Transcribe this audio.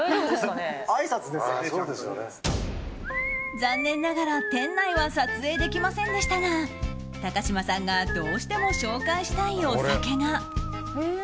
残念ながら店内は撮影できませんでしたが高嶋さんがどうしても紹介したいお酒が。